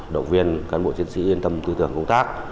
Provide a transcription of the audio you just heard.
động viên cán bộ chiến sĩ yên tâm tư tưởng công tác